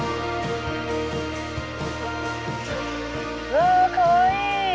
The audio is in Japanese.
わあかわいい！